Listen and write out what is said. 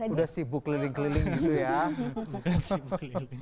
udah sibuk keliling keliling gitu ya